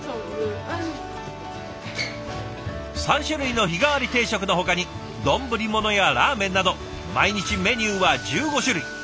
３種類の日替わり定食のほかに丼物やラーメンなど毎日メニューは１５種類。